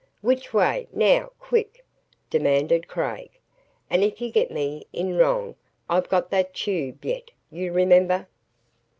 "Which way, now quick!" demanded Craig, "And if you get me in wrong I've got that tube yet you remember."